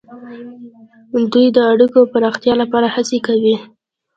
دوی د اړیکو د پراختیا لپاره هڅې کوي